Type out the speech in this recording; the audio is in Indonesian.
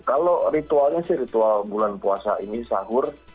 kalau ritualnya sih ritual bulan puasa ini sahur